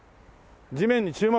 「地面に注目！！！」